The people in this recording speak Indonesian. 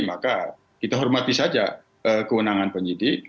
maka kita hormati saja kewenangan penyidik